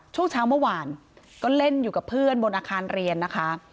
ช่วงเช้าเมื่อวานก็เล่นอยู่กับเพื่อนบนอาคารเรียนนะคะ